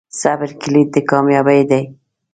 صبر کلید د کامیابۍ دی.